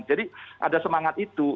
jadi ada semangat itu